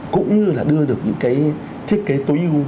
cũng như là đưa được những cái thiết kế tối ưu